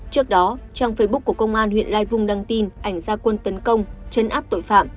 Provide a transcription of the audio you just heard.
trước đó trang facebook của công an huyện lai vung đăng tin ảnh gia quân tấn công chấn áp tội phạm